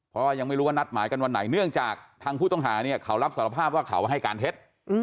เพราะว่ายังไม่รู้ว่านัดหมายกันวันไหนเนื่องจากทางผู้ต้องหาเนี่ยเขารับสารภาพว่าเขาให้การเท็จ